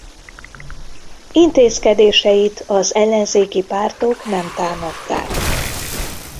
Intézkedéseit az ellenzéki pártok nem támadták.